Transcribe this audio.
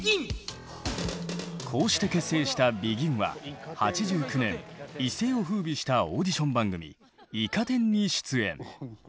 こうして結成したＢＥＧＩＮは８９年一世を風靡したオーディション番組「イカ天」に出演。